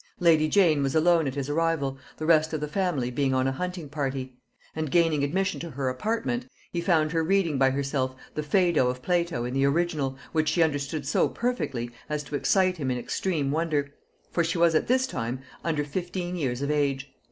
Lady Jane was alone at his arrival, the rest of the family being on a hunting party; and gaining admission to her apartment, he found her reading by herself the Phædo of Plato in the original, which she understood so perfectly as to excite in him extreme wonder; for she was at this time under fifteen years of age.